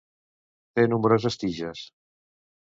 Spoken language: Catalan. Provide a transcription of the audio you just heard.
Té nombroses tiges.